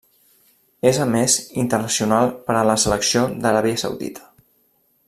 És, a més, internacional per la selecció de l'Aràbia Saudita.